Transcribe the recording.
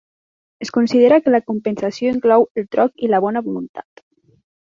Es considera que la compensació inclou el troc i la bona voluntat.